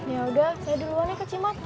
yaudah saya duluan ya kak cimot